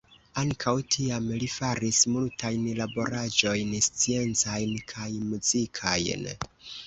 Ankaŭ tiam li faris multajn laboraĵojn sciencajn kaj muzikajn.